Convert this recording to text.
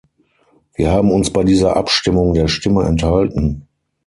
Wir haben uns bei dieser Abstimmung der Stimme enthalten.